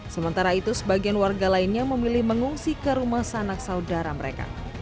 sementara itu sebagian warga lainnya memilih mengungsi ke rumah sanak saudara mereka